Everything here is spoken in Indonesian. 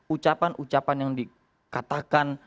ucapan ucapan yang dikatakan